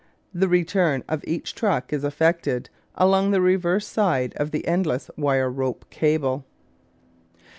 The return of each truck is effected along the reverse side of the endless wire rope cable.